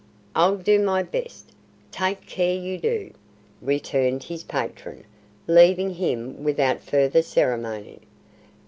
"I'll do my best." "Take care you do," returned his patron, leaving him without further ceremony.